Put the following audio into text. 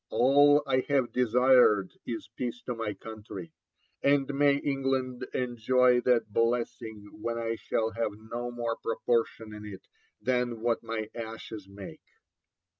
All I have designed is peace to my country; and may England enjoy that blessing when I shall have no more proportion in it than what my ashes make.'